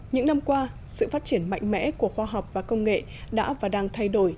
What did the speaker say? những năm qua sự phát triển mạnh mẽ của khoa học và công nghệ đã và đang thay đổi